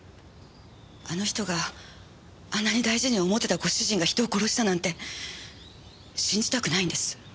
あの人があんなに大事に思ってたご主人が人を殺したなんて信じたくないんです。